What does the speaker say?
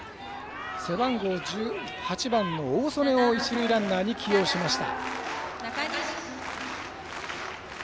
背番号１８番の大曽根を一塁ランナーに起用しました。